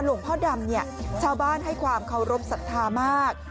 หลวงพ่อดำเนี่ยชาวบ้านให้ความเคารพสัทธามาก